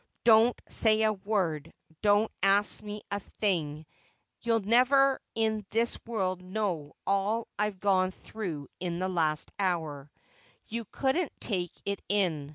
"Don't say a word, don't ask me a thing; you'll never in this world know all I've gone through in the last hour—you couldn't take it in.